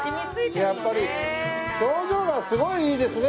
やっぱり表情がすごいいいですね